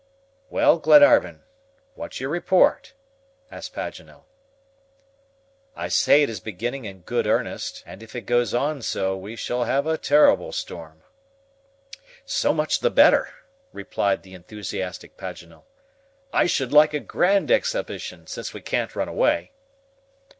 "Well, Glenarvan, what's your report?" asked Paganel. "I say it is beginning in good earnest, and if it goes on so we shall have a terrible storm." "So much the better," replied the enthusiastic Paganel; "I should like a grand exhibition, since we can't run away."